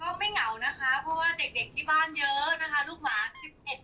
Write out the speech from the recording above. ไม่เหงานะคะเพราะว่าเด็กที่บ้านเยอะนะคะลูกหมาสิบเอ็ด